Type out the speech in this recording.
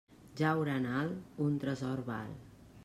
Jaure en alt, un tresor val.